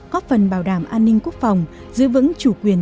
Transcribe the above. góp phần bảo đảm an ninh quốc phòng giữ vững chủ quyền